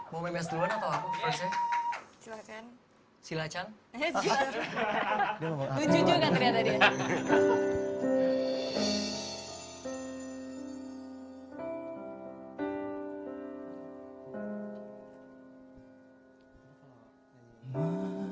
mau memes duluan atau apa first ya